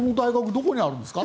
どこにあるんですか？